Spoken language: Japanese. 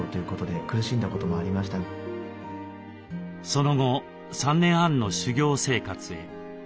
その後３年半の修行生活へ。